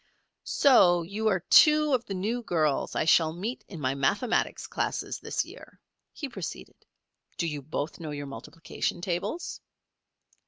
"So you are two of the new girls I shall meet in my mathematics classes this year," he proceeded. "Do you both know your multiplication tables?"